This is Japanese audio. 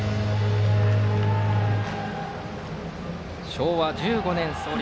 昭和１５年創立。